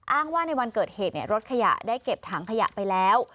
อ้างว่าในวันเกิดเหตุรถขยะได้เก็บถังขยะไปแล้ว